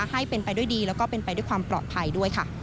ให้เป็นไปด้วยดีแล้วก็เป็นไปด้วยความปลอดภัยด้วยค่ะ